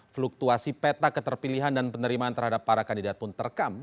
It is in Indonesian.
fluktuasi peta keterpilihan dan penerimaan terhadap para kandidat pun terekam